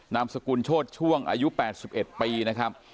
นามสกุลโชธช่วงอายุ๘๑ปีนะครับ